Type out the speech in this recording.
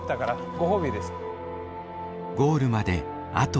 ゴールまであと一歩。